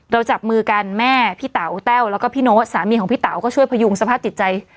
จับมือกันแม่พี่เต๋าแต้วแล้วก็พี่โน๊ตสามีของพี่เต๋าก็ช่วยพยุงสภาพจิตใจ